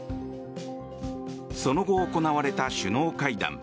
その後行われた首脳会談。